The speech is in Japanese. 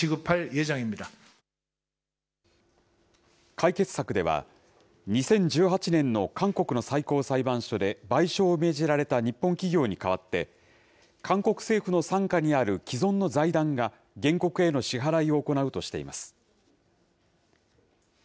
解決策では、２０１８年の韓国の最高裁判所で賠償を命じられた日本企業に代わって、韓国政府の傘下にある既存の財団が、原告への支払いを行うとしています。